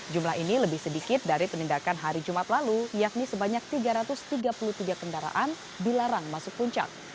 jumlah ini lebih sedikit dari penindakan hari jumat lalu yakni sebanyak tiga ratus tiga puluh tiga kendaraan dilarang masuk puncak